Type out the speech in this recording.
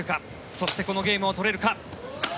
そして、このゲームを取れるか。